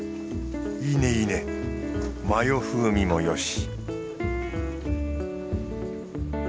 いいねいいねマヨ風味もよし